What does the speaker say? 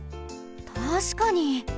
たしかに！